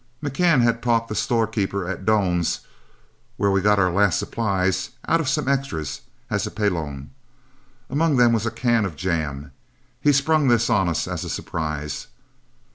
McCann had talked the storekeeper at Doan's, where we got our last supplies, out of some extras as a pelon. Among them was a can of jam. He sprung this on us as a surprise.